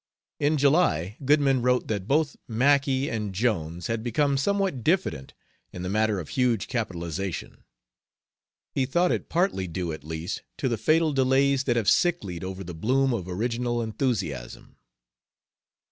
In July, Goodman wrote that both Mackay and Jones had become somewhat diffident in the matter of huge capitalization. He thought it partly due, at least, to "the fatal delays that have sicklied over the bloom of original enthusiasm."